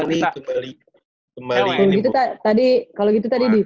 kalau gitu tadi di